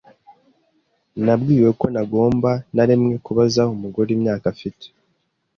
Nabwiwe ko ntagomba na rimwe kubaza umugore imyaka afite.